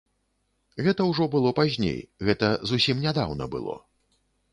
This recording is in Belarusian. Гэта ўжо было пазней, гэта зусім нядаўна было.